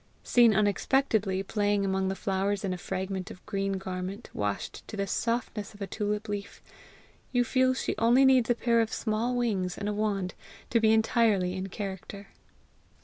Seen unexpectedly, playing among the flowers in a fragment of green garment washed to the softness of a tulip leaf, you feel she only needs a pair of small wings and a wand to be entirely in character.